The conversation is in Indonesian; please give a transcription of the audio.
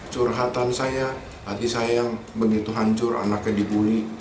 curhatan saya hati saya yang begitu hancur anaknya dibully